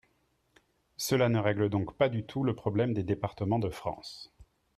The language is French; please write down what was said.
Cela ne règle donc pas du tout le problème des départements de France.